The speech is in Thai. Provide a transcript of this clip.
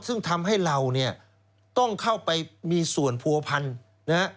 ซึ่งทำให้เราต้องเข้าไปมีส่วนผัวพันธุ์